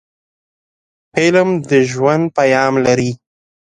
فلم د ژوند پیغام لري